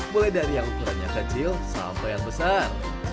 mulai dari yang ukurannya kecil sampai yang besar